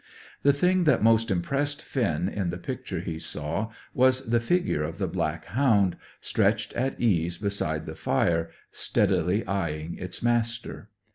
The thing that most impressed Finn in the picture he saw was the figure of the black hound, stretched at ease beside the fire, steadily eyeing its master.